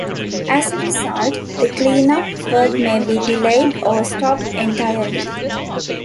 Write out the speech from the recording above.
As a result, the cleanup work may be delayed or stopped entirely.